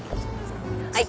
はい。